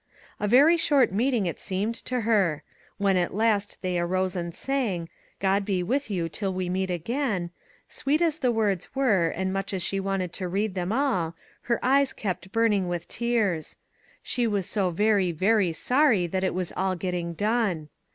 A very short meeting it seemed to her. When, at last, they arose and sang, " God be with you till we meet again," sweet as the words were, and much as she wanted to read them all, her eyes kept burning with tears; she was so very, very sorry that it was all getting done.